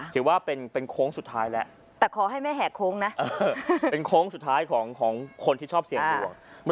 หรือว่าเป็นโค้งสุดท้ายและโค้งสุดท้ายของคนที่ชอบเสียงหัว